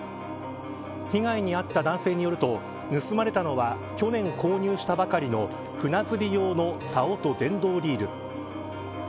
被害に遭った男性によると盗まれたのは去年購入したばかりのフナ釣り用のさおと電動リール。